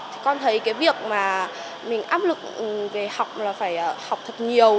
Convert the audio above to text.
thì con thấy cái việc mà mình áp lực về học là phải học thật nhiều